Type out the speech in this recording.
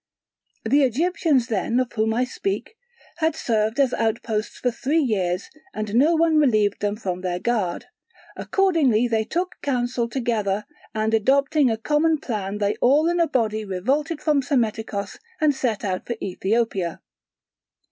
The Egyptians then of whom I speak had served as outposts for three years and no one relieved them from their guard; accordingly they took counsel together, and adopting a common plan they all in a body revolted from Psammetichos and set out for Ethiopia.